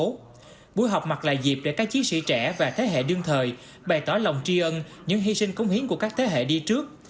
trong buổi họp mặt là dịp để các chiến sĩ trẻ và thế hệ đương thời bày tỏ lòng tri ân những hy sinh công hiến của các thế hệ đi trước